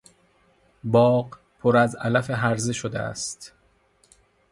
باغ پر از علف هرزه شده است.